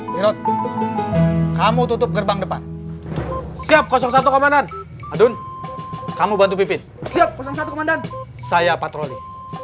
herod kamu tutup gerbang depan siap satu kemanan adun kamu bantu pipin siap satu kemanan saya patroli